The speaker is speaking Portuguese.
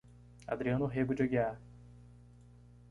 Adriano Rego de Aguiar